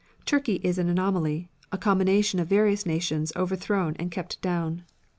Turkey is an anomaly, a combination of various nations overthrown and kept down.